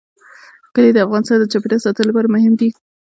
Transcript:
کلي د افغانستان د چاپیریال ساتنې لپاره مهم دي.